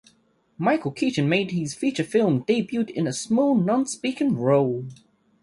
Michael Keaton made his feature film debut in a small non-speaking role.